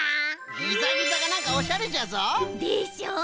ギザギザがなんかおしゃれじゃぞ！でしょ？